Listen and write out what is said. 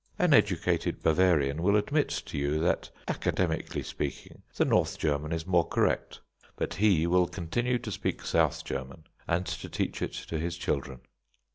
An educated Bavarian will admit to you that, academically speaking, the North German is more correct; but he will continue to speak South German and to teach it to his children.